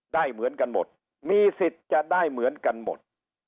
ได้เหมือนกันหมดมีสิทธิ์จะได้เหมือนกันหมด